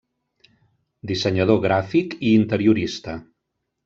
Dissenyador gràfic i interiorista.